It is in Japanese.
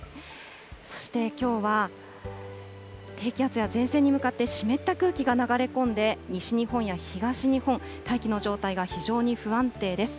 そしてきょうは、低気圧や前線に向かって、湿った空気が流れ込んで、西日本や東日本、大気の状態が非常に不安定です。